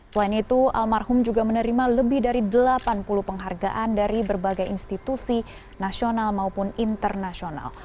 selain itu almarhum juga menerima lebih dari delapan puluh penghargaan dari berbagai institusi nasional maupun internasional